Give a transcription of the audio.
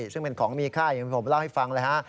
ซึ่งเป็นของมีค่าอย่างที่ผมเล่าให้ฟังเลยฮะ